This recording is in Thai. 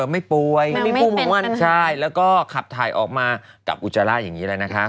ไม่ป่วยไม่มุ่งมั่นใช่แล้วก็ขับถ่ายออกมากับอุจจาระอย่างนี้แล้วนะคะ